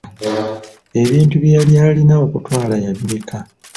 Ebintu bye yali alina okutwala yabireka.